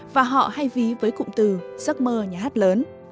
và họ hay ví với cụm từ giấc mơ nhà hát lớn